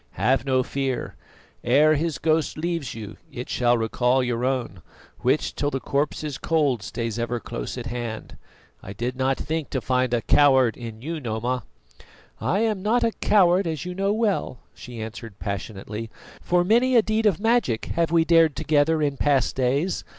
Have no fear. Ere his ghost leaves you it shall recall your own, which till the corpse is cold stays ever close at hand. I did not think to find a coward in you, Noma." "I am not a coward, as you know well," she answered passionately, "for many a deed of magic have we dared together in past days.